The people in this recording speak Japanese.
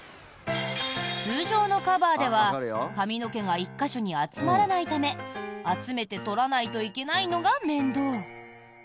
通常のカバーでは髪の毛が１か所に集まらないため集めて取らないといけないのが面倒。